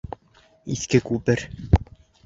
Иҫке күпер...